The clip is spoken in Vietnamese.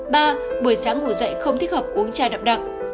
ba buổi sáng ngủ dậy không thích hợp uống chai đậm đặc